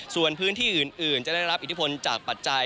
ส่วนพื้นที่อื่นจะได้รับอิทธิพลจากปัจจัย